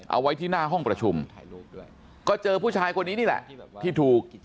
เอาไว้ที่หน้าห้องประชุมก็เจอผู้ชายคนนี้นี่แหละที่ถูก